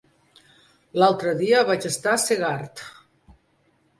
L'altre dia vaig estar a Segart.